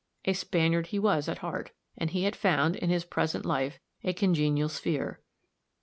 A Spaniard he was at heart, and he had found, in his present life, a congenial sphere.